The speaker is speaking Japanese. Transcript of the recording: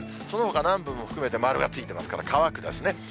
そのほか南部も含めて丸がついてますから、乾くですね。